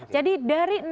jadi dari enam tahun